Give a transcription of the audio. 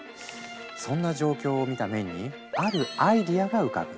そんな状況を見たメンにあるアイデアが浮かぶ。